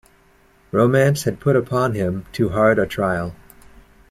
Romance had put upon him too hard a trial.